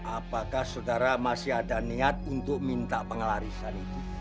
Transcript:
apakah saudara masih ada niat untuk minta pengelarisan itu